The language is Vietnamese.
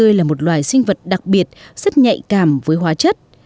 nơi là một loài sinh vật đặc biệt rất nhạy cảm với hóa chất